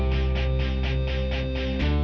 kau pun dari rumah